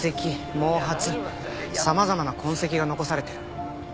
毛髪様々な痕跡が残されてる。